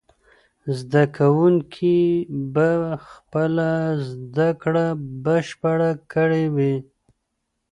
زده کوونکي به خپله زده کړه بشپړه کړې وي.